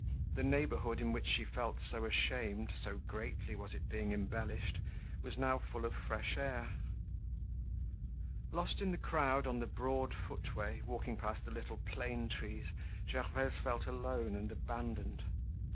The neighborhood in which she felt so ashamed, so greatly was it being embellished, was now full of fresh air. Lost in the crowd on the broad footway, walking past the little plane trees, Gervaise felt alone and abandoned.